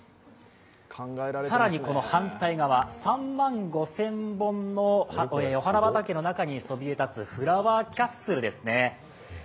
更にこの反対側、３万５０００本のお花畑の中にそびえ立つフラワーキャッスルですね。